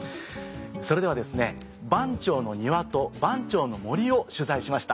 それでは番町の庭と番町の森を取材しました。